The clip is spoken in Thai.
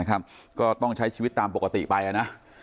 ก็ต้องใช้ชีวิตตามปกติไปนะ